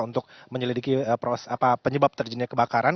untuk menyelidiki penyebab terjadinya kebakaran